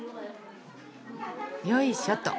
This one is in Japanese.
よいしょっと。